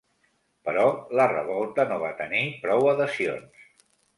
Però la revolta no va tenir prou adhesions.